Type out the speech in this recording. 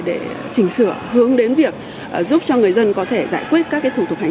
để chỉnh sửa hướng đến việc giúp cho người dân có thể giải quyết các thủ tục hành chính